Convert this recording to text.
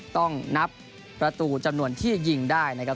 ต้องนับประตูจำนวนที่ยิงได้นะครับ